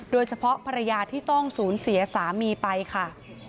โดยเฉพาะภรรยาที่ต้องสูญเสียสามีไปค่ะ